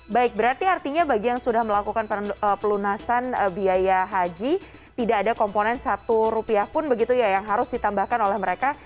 baik berarti artinya bagi yang sudah melakukan pelunasan biaya haji tidak ada komponen satu rupiah pun begitu ya yang harus ditambahkan oleh mereka